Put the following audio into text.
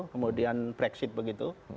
kemudian brexit begitu